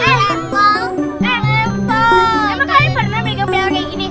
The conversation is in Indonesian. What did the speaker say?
emang kalian pernah megang piala kayak gini